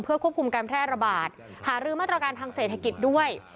ควบคุมการแพร่ระบาดหารือมาตรการทางเศรษฐกิจด้วย